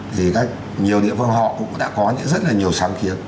thì nhiều địa phương họ cũng đã có rất là nhiều sáng kiến